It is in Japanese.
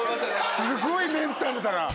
すごいメンタルだな。